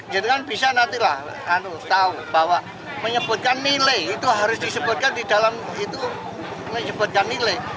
jadi kan bisa nantilah tahu bahwa menyebutkan nilai itu harus disebutkan di dalam itu menyebutkan nilai